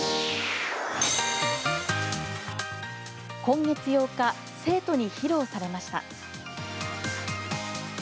今月８日生徒に披露されました。